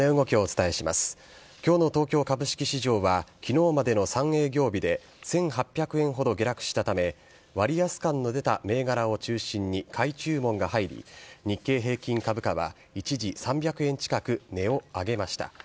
きょうの東京株式市場は、きのうまでの３営業日で１８００円ほど下落したため、割安感の出た銘柄を中心に買い注文が入り、日経平均株価は一時３００円近く値を上げました。